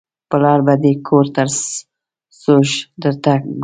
پلار به دې د ګور تر سوړو درته ګوري.